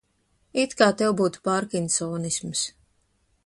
It kā tev būtu pārkinsonisms.